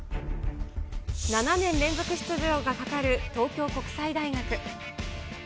７年連続出場がかかる東京国際大学。